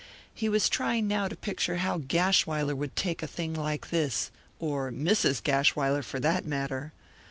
He was trying now to picture how Gashwiler would take a thing like this, or Mrs. Gashwiler, for that matter!